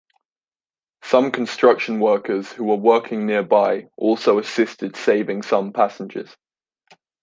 Some construction workers who were working nearby also assisted saving some passengers.